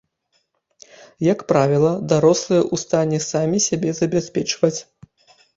Як правіла, дарослыя ў стане самі сябе забяспечваць.